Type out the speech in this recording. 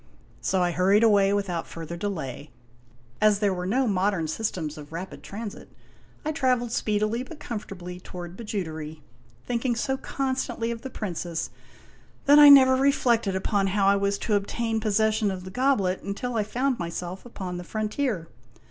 So I hurried away without further delay. As there were no modern systems of rapid transit, I traveled speedily but comfortably toward Bijoutery, thinking so constantly of the Princess that I never reflected upon how I was to obtain pos session of the goblet until I found myself upon the frontier.